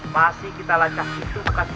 masih kita lancar itu bekas binatang atau orang